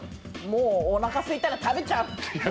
もうおなかすいたら食べちゃう。